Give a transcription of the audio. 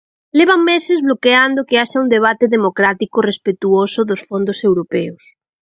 Levan meses bloqueando que haxa un debate democrático respectuoso dos fondos europeos.